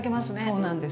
そうなんです。